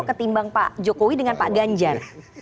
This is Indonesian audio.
ketimbang pak jokowi dengan pak ganjar